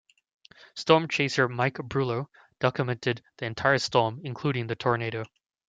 Storm chaser Mike Brulo documented the entire storm, including the tornado.